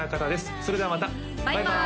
それではまたバイバーイ！